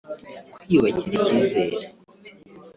kwiyubakira ikizere